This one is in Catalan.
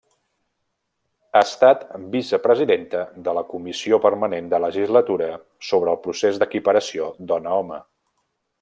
Ha estat vicepresidenta de la Comissió Permanent de Legislatura sobre el Procés d'Equiparació Dona-Home.